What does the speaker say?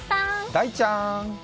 大ちゃん。